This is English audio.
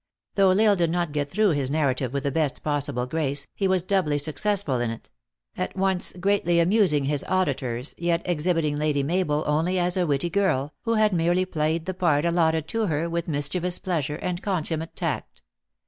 Though L Isle did not get through his narrative with the best possible grace, he was doubly successful THE ACTRESS IN HIGH LIFE. 391 in it; at once greatly amusing his auditors, yet ex hibiting Lady Mabel only as a witty girl, who had merely played the part allotted to her with mis chievous pleasure and consummate tact.